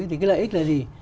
thì cái lợi ích là gì